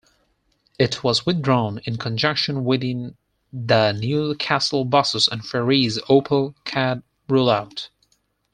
It was withdrawn in conjunction with the Newcastle Buses and Ferries Opal card rollout.